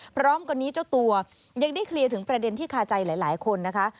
พร้อมกันนี้เจ้าตัวยังได้เคลียร์ถึงประเด็นที่คาใจหลายคนนะคะ